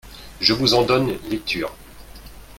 Je vous en donne lecture.